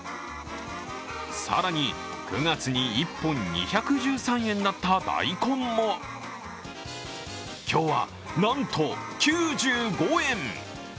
更に、９月に１本２１３円だった大根も今日は、なんと９５円。